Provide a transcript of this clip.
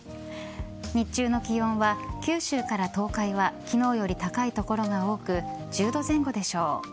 日中の気温は九州から東海は昨日より高い所が多く１０度前後でしょう。